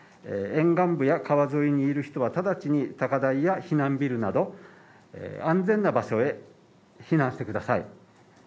沿岸部や川沿いにいる人は直ちに高台や避難ビルなど安全な場所へ避難してください。